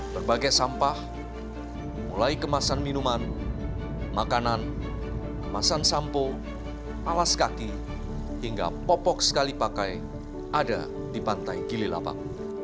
berbagai sampah mulai kemasan minuman makanan kemasan sampo alas kaki hingga popok sekali pakai ada di pantai gililapak